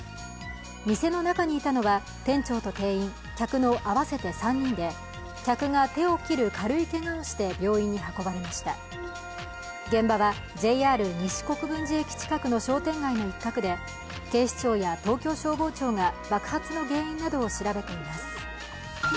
店の中にいたのは、店長と店員、客の合わせて３人で、客が手を切る軽いけがをして病院に運ばれました現場はＪＲ西国分寺駅近くの商店街の一角で警視庁や東京消防庁が、爆発の原因などを調べています。